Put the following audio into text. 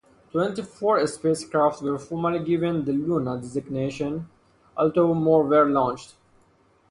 Twenty-four spacecraft were formally given the Luna designation, although more were launched.